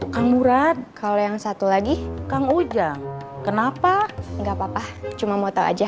kang murad kalau yang satu lagi kang ujang kenapa enggak apa apa cuma mau tahu aja